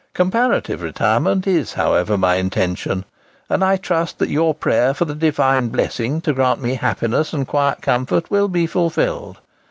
Comparative retirement is, however, my intention; and I trust that your prayer for the Divine blessing to grant me happiness and quiet comfort will be fulfilled.